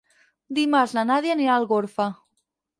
Dimarts na Nàdia anirà a Algorfa.